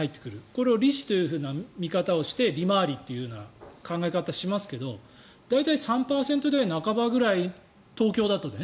これを利子という見方をして利回りという考え方をしますけど大体３％台半ばぐらい東京だとね。